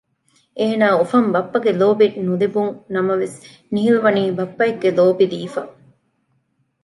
އޭނާއަށް އުފަން ބައްޕަގެ ލޯބި ނުލިބުން ނަމަވެސް ނީލްވަނީ ބައްޕައެއްގެ ލޯބި ދީފަ